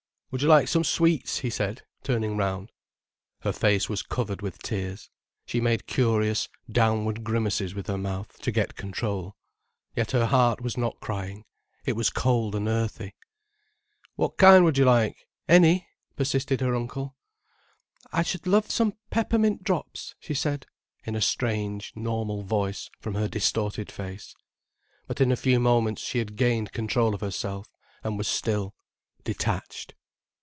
"Would you like some sweets?" he said, turning round. Her face was covered with tears, she made curious, downward grimaces with her mouth, to get control. Yet her heart was not crying—it was cold and earthy. "What kind would you like—any?" persisted her uncle. "I should love some peppermint drops," she said, in a strange, normal voice, from her distorted face. But in a few moments she had gained control of herself, and was still, detached.